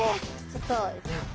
ちょっと。